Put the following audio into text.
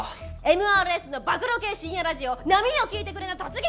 ＭＲＳの暴露系深夜ラジオ『波よ聞いてくれ』の突撃